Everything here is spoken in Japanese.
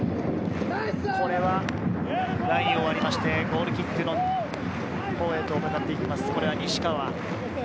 これはラインを割りまして、ゴールキックのほうへと向かっていきます。